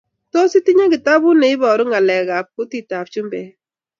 Tos, itinye kitabut neibaru ngaleek kab kutitab chumbek?